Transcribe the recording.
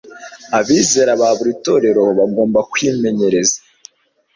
Abizera ba buri torero bagomba kwimenyereza